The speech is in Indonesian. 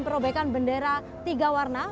siapkan bendera tiga warna